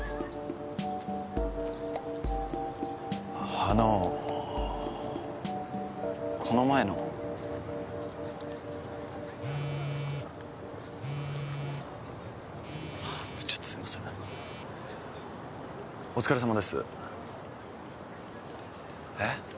あのこの前のちょっとすいませんお疲れさまですえっ？